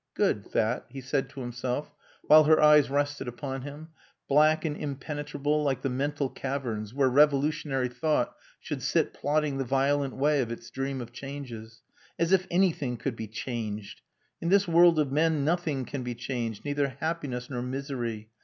"Good, that," he said to himself, while her eyes rested upon him, black and impenetrable like the mental caverns where revolutionary thought should sit plotting the violent way of its dream of changes. As if anything could be changed! In this world of men nothing can be changed neither happiness nor misery.